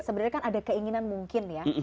sebenarnya kan ada keinginan mungkin ya